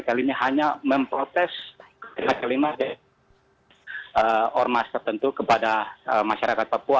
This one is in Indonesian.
kali ini hanya memprotes kelima kelima ormas tertentu kepada masyarakat papua